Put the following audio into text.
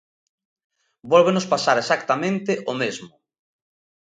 Vólvenos pasar exactamente o mesmo.